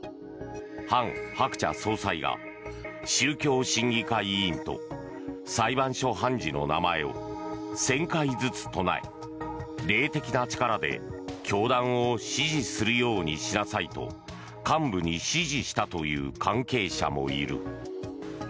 ハン・ハクチャ総裁が宗教審議会委員と裁判所判事の名前を１０００回ずつ唱え霊的な力で教団を支持するようにしなさいと幹部に指示したという関係者もいる。